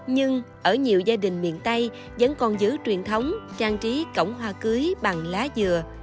nhưng ở nhiều gia đình miền tây vẫn còn giữ truyền thống trang trí cổng hoa cưới bằng lá dừa